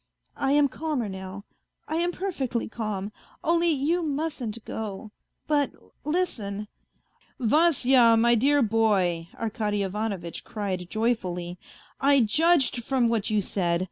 I am calmer now, I am perfectly calm ; only you mustn't go. ... But listen ..."" Vasya, my dear boy," Arkady Ivanovitch cried joyfully, " I judged from what you said.